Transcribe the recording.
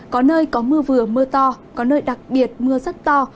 có nơi có mưa vừa mưa to có nơi đặc biệt mưa rất to